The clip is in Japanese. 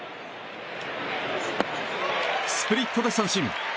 スプリットで三振。